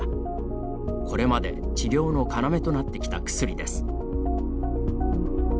これまで治療の要となってきた薬です。